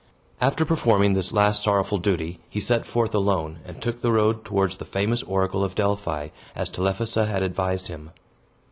After performing this last sorrowful duty, he set forth alone, and took the road towards the famous oracle of Delphi, as Telephassa had advised him.